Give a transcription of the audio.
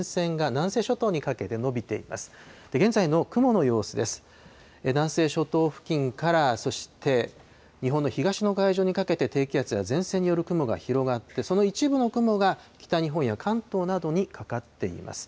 南西諸島付近からそして日本の東の海上にかけて低気圧や前線による雲が広がって、その一部の雲が北日本や関東などにかかっています。